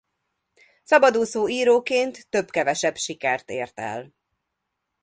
Szabadúszó íróként több-kevesebb sikert ért el.